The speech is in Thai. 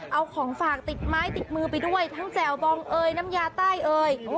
เอาของฝากติดไม้ติดมือไปด้วยทั้งแจ่วบองเอยน้ำยาใต้เอ่ย